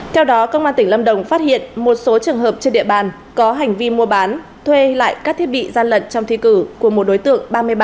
theo đó công an tỉnh lâm đồng phát hiện một số trường hợp trên địa bàn có hành vi mua bán thuê lại các thiết bị gian lận trong thi cử của một đối tượng ba mươi ba tuổi